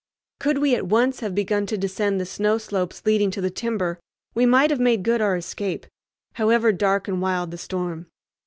Could we at once have begun to descend the snow slopes leading to the timber, we might have made good our escape, however dark and wild the storm.